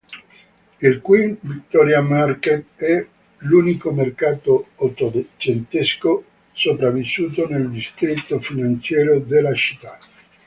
Il Queen Victoria Market è l'unico mercato ottocentesco sopravvissuto nel distretto finanziario della città.